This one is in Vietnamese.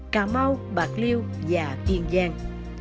cà mau bạc liêu và yên giang